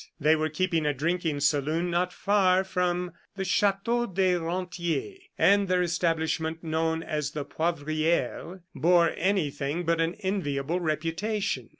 They were keeping a drinking saloon not far from the Chateau des Rentiers; and their establishment, known as the Poivriere, bore anything but an enviable reputation.